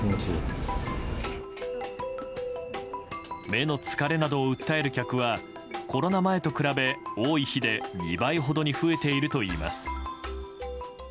目の疲れなどを訴える客はコロナ前と比べ多い日で２倍ほどに増えているといいます。